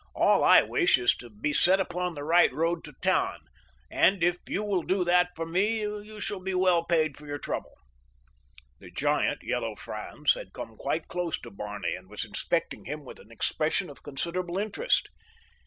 All I wish is to be set upon the right road to Tann, and if you will do that for me you shall be well paid for your trouble." The giant, Yellow Franz, had come quite close to Barney and was inspecting him with an expression of considerable interest.